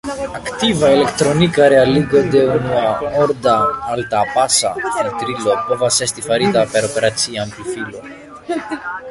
Aktiva elektronika realigo de unua-orda alta-pasa filtrilo povas esti farita per operacia amplifilo.